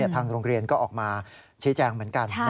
ทางโรงเรียนก็ออกมาชี้แจงเหมือนกัน